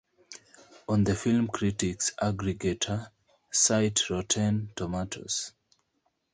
On the film-critics aggregator site Rotten Tomatoes.